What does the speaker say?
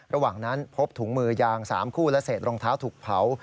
ระหว่างนั้นพบถุงมือยาง๓คู่และเศษรองเท้าถูกเผา